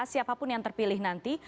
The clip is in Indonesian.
siapapun yang terpilih nanti